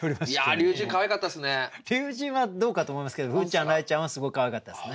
龍神はどうかと思いますけどふうちゃんらいちゃんはすごくかわいかったですね。